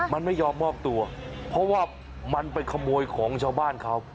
มันไม่ยอมมอบตัวเพราะว่ามันไปขโมยของชาวบ้านเขา